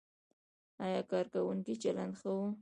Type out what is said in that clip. ایا کارکوونکو چلند ښه و؟